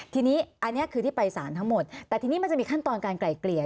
ทีนี้อันนี้คือที่ไปสารทั้งหมดแต่ทีนี้มันจะมีขั้นตอนการไกล่เกลี่ย